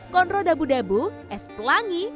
konro dabu dabu es pelangi